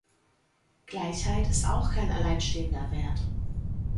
Gleichheit ist auch kein alleinstehender Wert.